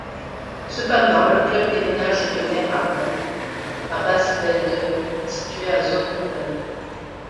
Cependant, le club déménage de Neerharen à Basvelden situé à Zonhoven.